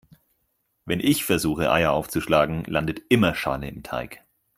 Wenn ich versuche Eier aufzuschlagen, landet immer Schale im Teig.